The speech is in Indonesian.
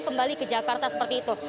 jadi ke jakarta seperti itu